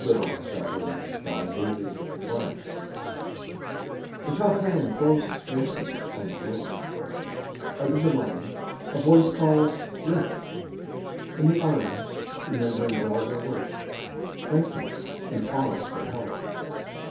62 MAN CARRYING BALE r I ^HE tough hand closes gently on the load ; X Out of the mind, a voice Calls " Lift !" and the arms, remembering well their work, Lengthen and pause for help.